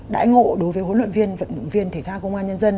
đãi ngộ đối với huấn luyện viên vận động viên thể thao công an nhân dân